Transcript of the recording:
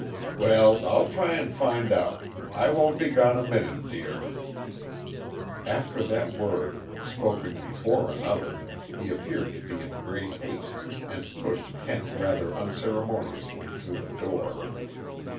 "Well, I'll try and find out I won't be gone a minute, dear." After that word, spoken before another, he appeared to be in great haste, and pushed Kent rather unceremoniously through the door.